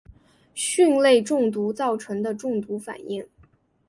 蕈类中毒造成的中毒反应。